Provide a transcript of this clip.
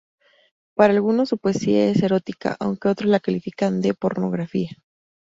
Para algunos su poesía es erótica aunque otros la califican de pornográfica.